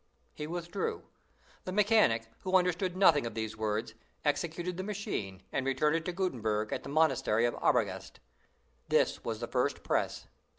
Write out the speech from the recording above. He withdrew. The mechanic, who understood nothing of these words, executed the machine, and returned it to Gutenberg at the monastery of Arbogast. This was the first press.